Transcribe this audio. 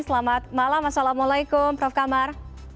selamat malam assalamualaikum prof kamar